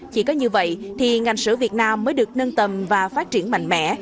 chỉ có như vậy thì ngành sữa việt nam mới được nâng tầm và phát triển mạnh mẽ